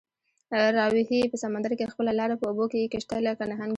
راوهي په سمندر کې خپله لاره، په اوبو کې یې کشتۍ لکه نهنګ ځي